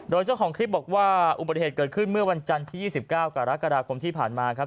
โดยเจ้าของคลิปบอกว่าอุบัติเหตุเกิดขึ้นเมื่อวันจันทร์ที่๒๙กรกฎาคมที่ผ่านมาครับ